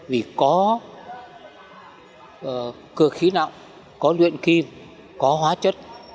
vì có cơ khí nặng có luyện kim có hóa chất